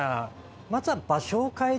まずは。